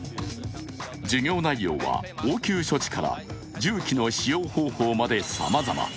授業内容は応急処置から銃器の使用方法までさまざま。